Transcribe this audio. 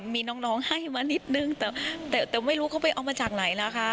มีน้องให้มานิดนึงแต่ไม่รู้เขาไปเอามาจากไหนล่ะคะ